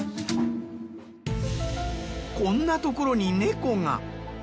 こんなところに猫が！